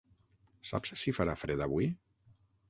Saps si farà fred avui?